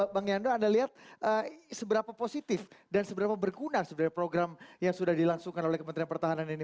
bang yando anda lihat seberapa positif dan seberapa berguna sebenarnya program yang sudah dilangsungkan oleh kementerian pertahanan ini